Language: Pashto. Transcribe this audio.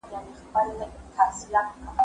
زه به اوږده موده د لغتونو تمرين کړی وم